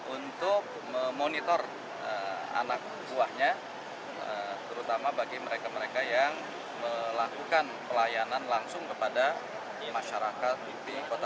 untuk memonitor anak buahnya terutama bagi mereka mereka yang melakukan pelayanan langsung kepada masyarakat di kota